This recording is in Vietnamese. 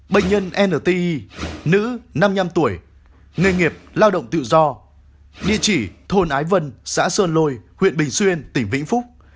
bệnh nhân nti nữ năm mươi năm tuổi nghề nghiệp lao động tự do địa chỉ thôn ái vân xã sơn lôi huyện bình xuyên tỉnh vĩnh phúc